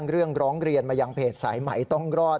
เรื่องร้องเรียนมายังเพจสายไหมต้องรอด